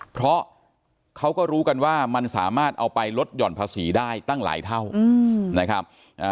เพราะเขาก็รู้กันว่ามันสามารถเอาไปลดหย่อนภาษีได้ตั้งหลายเท่านะครับ